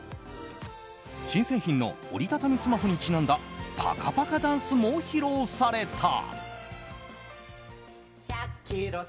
新製品の折り畳みスマホにちなんだパカパカダンスも披露された。